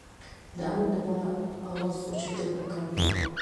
د امن دپاره اواز اوچتول پکار دي